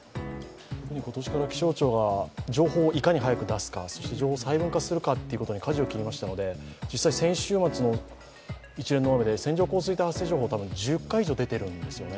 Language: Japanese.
今年から気象庁が情報をいかに早く出すか、そして情報を細分化するかにかじを切りましたので実際先週末の一連の雨で線状降水帯発生情報も１０回以上、出てるんですよね。